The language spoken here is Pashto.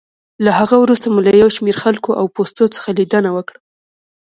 له هغه وروسته مو له یو شمېر خلکو او پوستو څخه لېدنه وکړه.